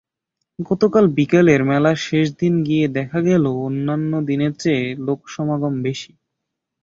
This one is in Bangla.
গতকাল বিকেলে মেলার শেষ দিন গিয়ে দেখা গেল, অন্যান্য দিনের চেয়ে লোকসমাগম বেশি।